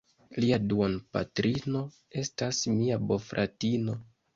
Lia duonpatrino estas mia bofratino.